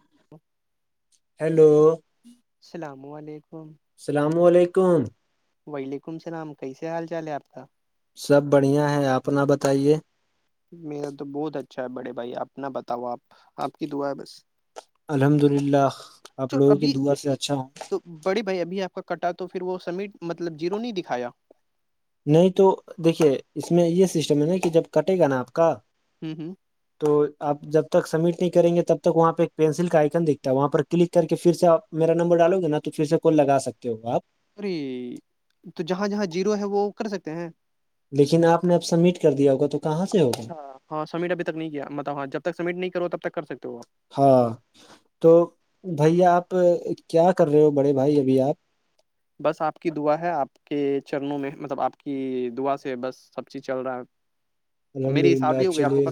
[unintelligible] hello السلام علیکم السلام علیکم وعلیکم السلام کیسے حال چال ہے آپ کا سب بڑھیا ہے اپنا بتائیے میرا تو بہت اچھا ہے بڑے بھائی آنا بتاؤ آپ آپ کی دعا ہے بس الحمد للہ آپ لوگوں کی دعا سے اچھا ہوں بڑی بھائی ابھی آپ کا کٹا تو پھر وہ سمیٹ مطلب جیرو نہیں دکھایا نہیں تو دیکھیے اس میں یہ سسٹم ہے نا کہ جب کٹے گا نا آپ کا ہوں ہوں تو آپ جب تک سبمٹ نہیں کریں گے تب تک وہاں پہ ایک پینسل کا آئکن دیکھتا ہے وہاں پر کلک کر کے پھر سے میرا نمبر ڈالو گے نا تو پھر سے کال لگا سکتے ہو آپ ا تو جہاں جہاں جیرو ہے وہ کر سکتے ہیں لیکن آپ نے اب سبمٹ کر د ہوا تو کہاں اچھا ہاں سمٹ ابھی تک کیا مطلب ہاں جب تک سبمٹ نہیں کرو تب تک کر سکتے ہو آپ ہاں تو بھائی آپ کیا کر رہے ہو بڑے بھائی ابھی آپ بس آپ کی دعا ہے آپ کے چرنوں میں مطلب آپ کی دعا سے ہے بس سب چیز چل رہا ہے الحمد للہ چلیے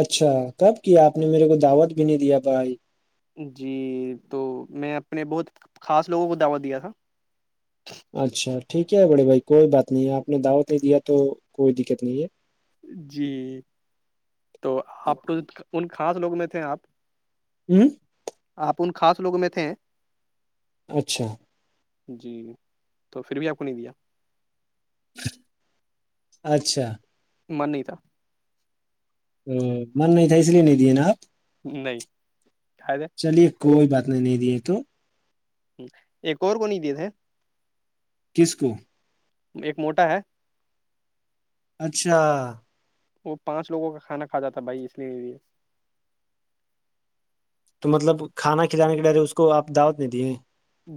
اچھا کب کیا آپ نے میرے کو دعوت بھی نہیں دیا بھائی جی تو میں اپنے بہت خاص لوگوں کو دعوت دیا تھا اچھا ٹھیک ہے بڑے بھائی کوئی بات نہیں آپ نے دعوت نہیں دیا تو کوئی دقت نہیں ہے جی تو آپ ان خاص لوگ میں تھے آپ ہوں آپ ان خاص لوگوں میں تھے اچھا جی تو پھر بھی آپ کو نہیں دیا اچھا منیتا ا من نہیں تھا اس لیے نہیں دیے نا آپ نہیں کائے د چلیے کوئی بات نہیں نہیں دیے تو ایک اور کونی دیے تھے کس کو ایک موٹا ہے اچھا وہ پانچ لوگوں کا کانا کھاتا تھا بھائی اس لیے تو مطلب کھانا کھلانے کی ڈر اس کو آپ دعوت نہیں دی ہیں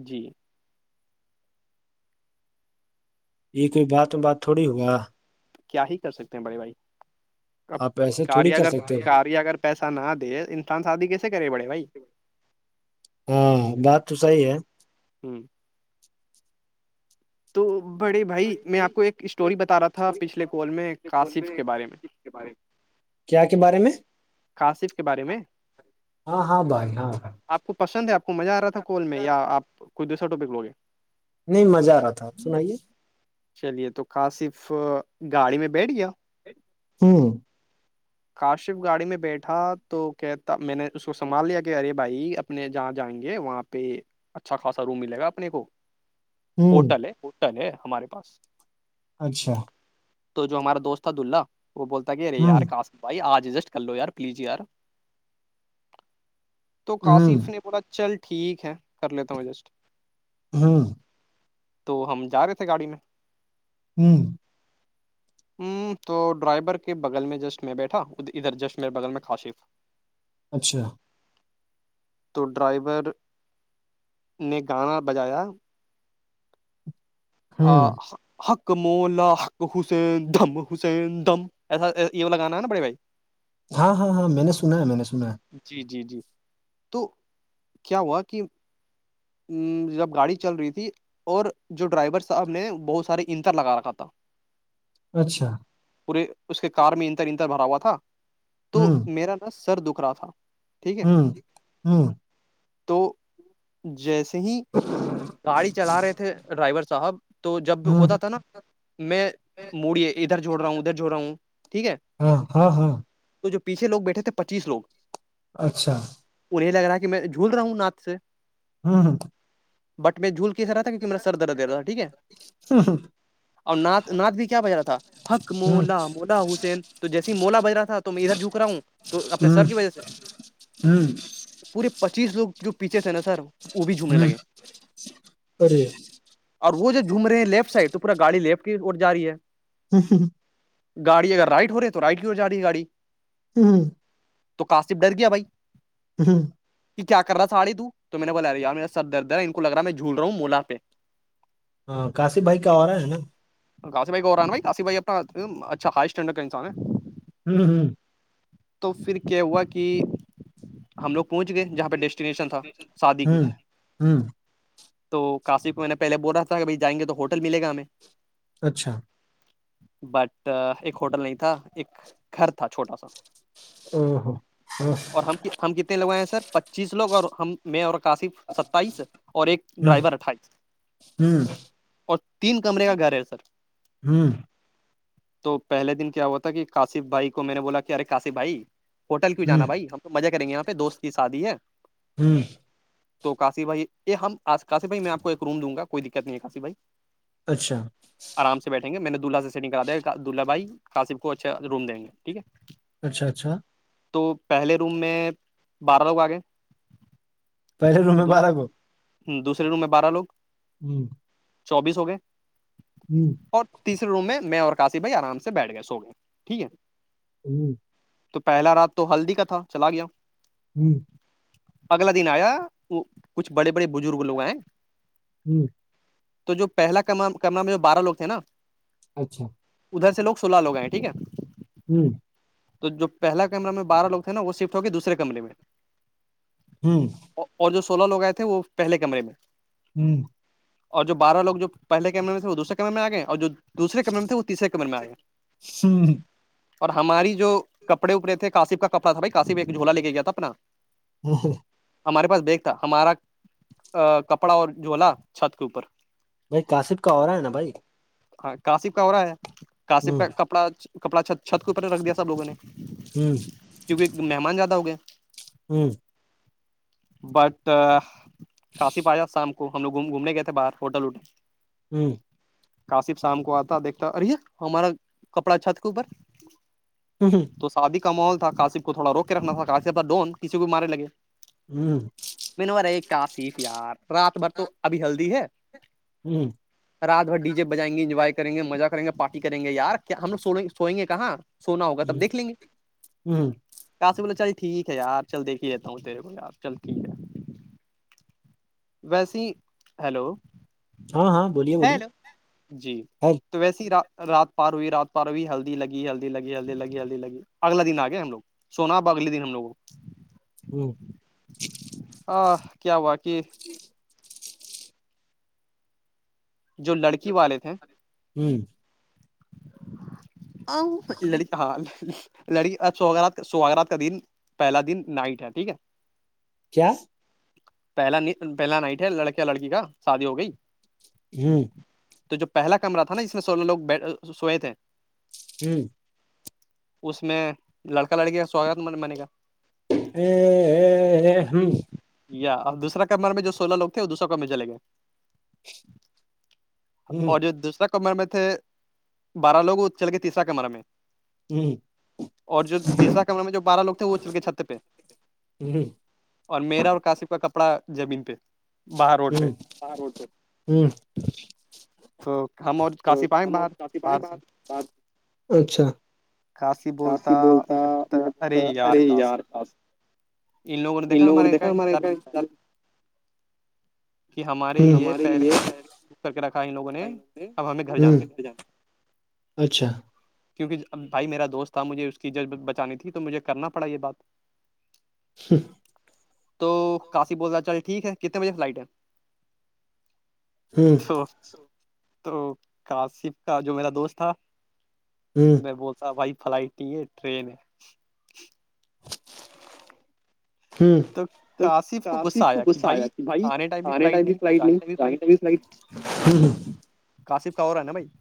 جی یہ کوئی بات و بات تھوڑی ہوا کیا ہی کر سکتے ہیں بڑے بھائی آپ کیہ اگر کاریہ اگر پیسہ نہ دے انسان شادی کیسے کرے پڑے بھائی [inaudible] ہاں بات تو صحیح ہے ہوں تو بڑے بھائی میں آپ کو ایک اسٹوری بتا رہا تھا پچھلے کال میں کاصف کے بارے میں کیا کے بارے میں کاصف کے بارے میں آپ کو پسند ہے آپ کو مزہ آ رہا تھا کال میں یا آپ کوئی دوسرا ٹاپک لوگے نہیں مزہ آ رہا تھا سنائیے چلیے تو کہا صرف گاڑی میں بیٹھ گیا ہوں کاشف گاڑی میں بیٹھا تو کہتا میں نے اس کو سنبال لیا کہ ارے بھائی اب اپنے جہاں جائیں گے وہاں پہ اچھا خاصا روم ملے گا اپنے کو ہوٹل ہے ہوٹل ہے ہمارے پاس اچھا تو جو ہمارا دوست تھا دلہ وہ بولتا کہ ارے یار کہس بھائی آج ایجسٹ کر لو ار پلیز یار تو کاصف نے بولا چل ٹھیک ہے کر لیتا ہوں ایڈجسٹ ہوں تو ہم جا رہے تھے گاڑی میں ہوں ہ تو ڈرائیور کے بغل میں جسٹ میں بیٹھا ادھر جش میرے بغل میں کااشف اچھا تو ڈرائیور نے گانا بجایا حک مولا حق حسین دم حسین دم ایسا ایو لگانا نا بڑے بھائی ہاں ہاں ہاں میں نے سنا ہے میں نے سنا ہے جی جی جی تو کیا ہوا کہ جب گاڑی چل رہی تھی اور جو ڈرائیور صاحب نے بہت سارے انتر لگا رکھا تھا [inaudible] اچھا پورے اس کے کار میں انتر انتر بھرا ہوا تھا تو میرا نا سر دکھ رہا تھا ہوں ہوں تو جیسے ہی گاڑی چلا رہے تھے ڈرائیور صاحب تو جب ہوتا تھا نا میں موڑیے ادھر جوھڑ رہا ہوں ادھر جھڑ رہا ہوں ٹھیک ہے ہاں ہاں ہاں تو جو پیھے لگ بیٹھ تھے پچیس لگ اچھا انہیں لگ رہا کہ میں جھول رہا ہوں نات سے ہوں ہوں بٹ میں جھول کیس رہا تھا کیونک میرا سر رہا تھاٹھیک ہے ہاں ہاں اور نعت نعت بھی کیا بج رہا تھا حک مولا مولا حسین تو جیس ہی مولا بج رہا تھا تو میں ادھر جھک رہا ہوں تو اپنے سر کی وجہ سے ہوں پورے پچیس لوگ جو پیچھے تھے نا سر وہ بھی جھومنے لگے اور وہ جب جھوم رہے ہیں لیفٹ سائڈ تو پور گاڑی لیفٹ کی ا ج رہی ہے جس گاڑی اگر رائٹ ہو رہی تو رائٹ کی اور جای گاڑی ہوں تو کاسب ڈر گیا بھائی ہ کہ کیا کر رہا سڑالی تو رہیاریرا سر ہے ان کو لگ رہا میں جھول رہا ہوں مو پہ ہاں کاشی بھائی کا ہو رہا ہے نا کاشی بھائی کوان بھ کاش بھائی اپنا اچھا ہائی اسٹڈرڈ کا انسان ہے ہوں ہوں تو پھر کیا ہوا کہ ہم لوگ پہنچ گئے جہاں پہ ڈیسٹینیشن تھا شادی کی تو کاشی کو میں نے پہلے بول رہا تھا کہ بھائی جائیں گے تو ہوٹل ملے گا ہمیں اچھا بٹ ایک ہوٹل نہیں تھا ایک گھر تھا چھوٹا سا ا ہ ہ اور ہم ہم کتنے لگ آئے ہیں سر پچیس لوگ اور ہم میں اور کاصف ستائیس اور ایک ڈرائیور اٹھائیس اور تین کمرے کا گھر ہے سر تو پہلے دن کیا ہوا تھا کہ کاشف بھائی کو میں نے بولا کہ ارے کاشف بھائی ہوٹل کیوں جانا بھائی ہم تو مزہ کریں گے یہاں پہ دوست کی شادی ہے ہوں تو کاشی بھائی یہ ہم کاشی بھائی میں آپ کو ایک روم دوں گا کوئی دقت نہیں ہے کاشی بھائی اچھا آرام سے بیٹھیں گے میں نے دلہا سے سینگ کرا دیا دلہ بھائی کااب کو اچھا روم دیں گے ٹھیک ہے تو پہلے روم میں بارہ لوگ آ گئے دو ہ دوسرے روم میں بارہ لوگ ہوں چوبیس ہو گئے ہوں اور تیسرے روم میں میں اور کاشی بھائی آرام سے بیٹھ گئے سو گئے ٹھیک ہے ہوں تو پہلا رات تو ہلدی کا تھا چلا گیا ہوں اگلا دن آیا وہ کچھ بڑے بڑے بزرگ لوگ ہیں جی [unintelligible] تو جو پہلام کمرہ میں جو بارہ لوگ تھے نا اچھا [unintelligible] ادھر سے لوگ سلہ لوگ آئے ہیں ٹھیک ہے ہوں [unintelligible] تو جو پہلا کیمرہ میں بارہ لگ تھے نا وہ شفٹ ہو گئے دوسرے کیمرے میں ہوں [unintelligible] اور جو سولہ لوگ آئے تھے وہ پہلے کمرے میں ہوں [unintelligible] اور جو بارہ لو جو پہے کیمے میں تھ دوسرے کیمرے میں آ گئے اور جو دوسرے کمر میں تھے وہ تیسرے کمر میں آ گئے اور ہماری جو کپڑے اپڑے تھے کاسفب کا کپڑا تھا بھائی کاسب ایک جھولا لے کے گیا تھا اپ ننا ہاں [unintelligible] ہمارے پاس دیک تھا ہمارا کپڑا اور جھولا چھت کے اوپر بھائی کاسب کا ہو رہا ہے نا بھائی ہاں کاشب کا ہو رہا ہے کاسب کا کب کپڑا کپڑا چھت چھت کے اوپر رکھ دیا سب لوگوں نے ہوں کیونکہ ایک مہمان زیادہ ہو گئے ہوں بٹ کاشف آ جات شام کو ہم لوگ گ گھومنے گئے تھے باہر ہوٹل ووٹل ہوں [unintelligible] کاشف شام کو آتا دیکھتا ار ہمارا کپڑا چھت کے اوپر ہوں ہوں تو شادی کا ماحول تھا کاصب کو تھوڑا روک کے رکھنا تھا کاسب تھا ڈون کسی کو بھی مارے لگے ہوں مین مرے کاصف یار رات بھر تو ابھی ہلدی ہے ہوں [unintelligible] رات بھر ڈی جے بجائیں گے انجوائے کریں گے مزہ کریں گے پارٹی کریں گےیار کیا ہم لو س سوئیں گے کہاں سونا ہوگا تب دیکھ لیں گے کافی بول چل ٹھیک ہے یار چل دیک ہی دیتا ہوں تیرے کو یار چل ٹھیک ہے ویسیے ہیلو ہاں ہاں بلیے بولیے جی تو ویسیات رات پار ہوئی رات پار ہوئی ہلدی لگی ہلدی لگی ہلدی لگی ہلدی لگی اگلا دن آ گیا ہم لوگ سونا آپ اگلے دن ہم لوگوں کو ہوں آ کیا ہوا کہ جو لڑکی والے تھے آ للیتا لڑکی س سارات کا دن پہلا دن نائٹ ہے ٹھیک ہے کیا پہلا پہلا نائٹ ہے لڑکے یا لڑکی کا شادی ہو گئی وہ تو جو پہلا کمرا تھا نا اس میں سولہ لوگ بی سوئے تھے ہمم اس میں لڑکا لڑکی کا سواگت م م کاا اے اےاے ہمم یا اور دوسر کمر میں جو سولہ لو تھے دو سو کمر میں چلے گئے اور جو دوسرا کمرے میں تھے بارہ لوگ چل گئے تیسرا کمرے میں اور جو تیسرا کمرہ میں جو بارہ لوگ تھے وہ چل گئے چھت پہ اور میرا اور کاصف کا کپڑا زمین پہ ہمم ہمم تو ہم کافی پیں ب اچھا کاشی بولتا میں ارے یار اب ان لوگوں دیکھاا مارے کہ ہمارے لیے پلے کر کے رکھا ہے ان لوگوں نے اب ہمیں گھر جانا ہے اچھا کیونکہ بھائی میرا دوست تھا مجھے اس کی جان بچانی تھی تو مجھے کرنا پڑا یہ بات [inaudible] شھ تو کاشی بول رہا چل ٹھیک ہے کتنے بجے فلائٹ ہے ہمم تو تو کاصف کا جو میرا دوست تھا ہمم بولتا بھائی فلائٹ نہیں ہے ٹرین ہے ہ تو کاصف کو غصہ آیا کہ بھائی آنے ٹائم بھی فلائٹ نہیں جے ٹائم بھی فلائٹ [unintelligible] [unintelligible]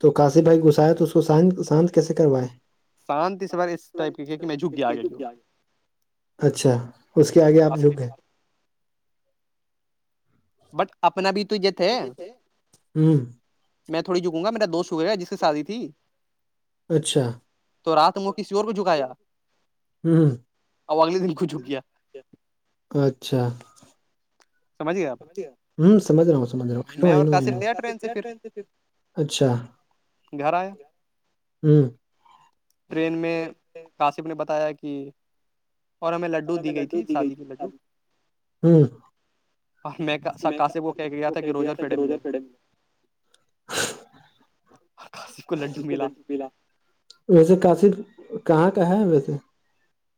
تو کاشف بھائی غصی آیا تو اس کو شانت کیسے کروائے شانتی سوار اس ٹائپ کی ہے کہ میں جھک گیا آگے کی اچھا اس کے آگے آپ جھک گئے بٹ اپنا بھی تو یہت ہے میں تھوڑی جھکوں گا میرا دوست ہو گا جس کا شادی تھی تو رات م کسی اور کو جھکایا ہمم اب اگلے دن خود جھک گیا اچھا ہمم سمجھ رہا سمجھ رہا ہوں اچھا گھر آئے ہمم ٹرین میں کاسم نے بتایا کہ اور ہمیں لڈو دی گئی تھی شادی کے لڈو اور میںقاسب وہ کہہ گیا تھا کہ روجر پیڑے ملے گے کاصف کو لڈو ملا ویسے کاشر کہاں کا ہے ویسے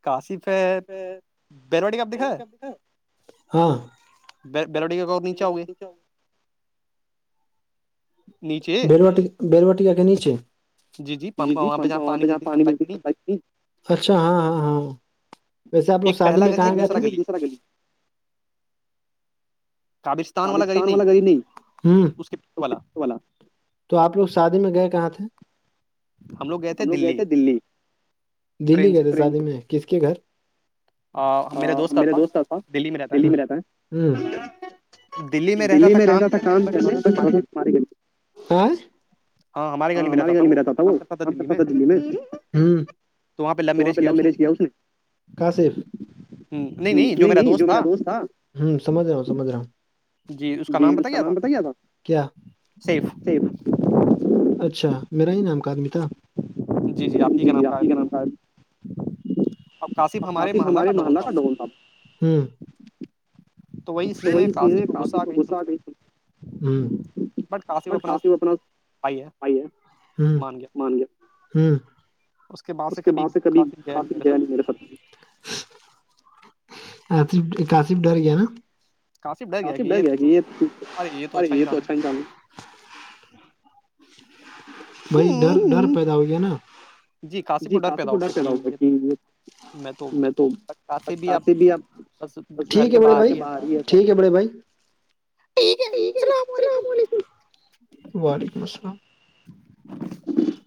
کاشف ہے بیلواڑی کاب دکھا ہے ہاں بلوی کا گور نیچےؤے بلواٹی بلواٹی کا کیاے نچے جی جی پمپ وہاں پہ جہاں پانی مل اچھا ہاں ہاں ہاں ویسے آپ لوگ شادی میں کہاں گئے تھے قبرستان والا گای نہیں اس والا تو آپ لوگ شادی میں گئے کہاں تھے ہم لوگ گئے تھے دلی دلی گئے تھے شادی میں کس کے گھر میرے دوست سلمان دلی میں رہتا ہے دلی میں رہتا تھا کام کرنے ہاں ہماری گلی میں رہتا تھا وہم کرتا تھا دلی میں تو وہاں پہ لاؤ میرج کیا اس نے نہیں نہیں جو میرا دوست تھا سمجھ رہا ہوں سمجھ رہا ہوں جی اس کا نام بتا کیا تھا کیای اچھا میرا ہی نام کا آدمی تھا نام تھا اب کاصف ہمارے محلہ کا ڈون تھا سوی سے کافی تو گسہ گئی بٹ کافی اپنا بھائی ہے مان گیا اس کے وہاں سے کبھی کافی گیا نہیں میں آصف کاشف ڈر گیا نا کاصف ڈر گیا کہ یہ ارے یہ تو اچھا نہیں چال بھائی ڈر ڈر پیدا ہو گیا نا جی کاصف کو ڈر پیدا رہا ہوگا میں تو کاصف بھی اب ٹھیک ہے بڑے بھائی ٹھیک ہے بڑے بھائی ٹھیک ہے السلام علیکم وعلیکم السلام جی